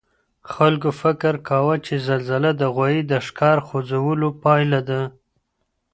خلګو فکر کاوه چي زلزله د غوايي د ښکر خوځولو پایله ده.